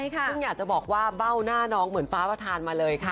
ซึ่งอยากจะบอกว่าเบ้าหน้าน้องเหมือนฟ้าประธานมาเลยค่ะ